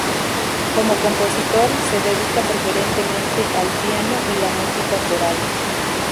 Como compositor, se dedica preferentemente al piano y la música coral.